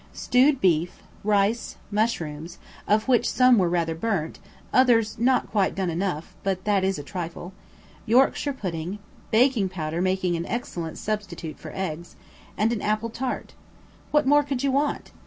Stewed beef, rice, mushrooms, (of which some were rather burnt, others not quite done enough, but that is a trifle), yorkshire pudding (baking powder making an excellent substitute for eggs), and an apple tart. What more could you want?